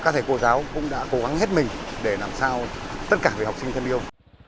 các thầy cô giáo cũng đã cố gắng hết mình để làm sao tất cả người học sinh thân yêu